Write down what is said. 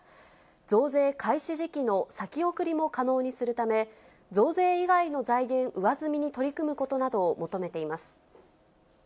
増税開始時期の先送りも可能にするため、増税以外の財源上積みに取り組むことなどを求めています。